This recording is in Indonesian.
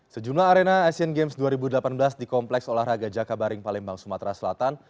sejumlah arena asian games dua ribu delapan belas di kompleks olahraga jakabaring palembang sumatera selatan